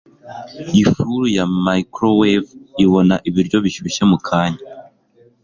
Ifuru ya microwave ibona ibiryo bishyushye mukanya